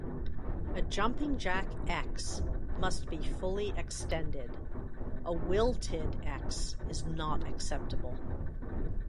A jumping jack "X" must be fully extended, a wilted "X" is not acceptable.